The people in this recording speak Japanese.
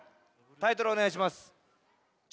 タイトルおねがいします。